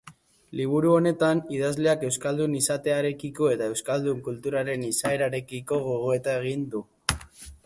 Liburu honetan, idazleak euskaldun izatearekiko eta euskal kulturaren izaerarekiko gogoeta egiten du.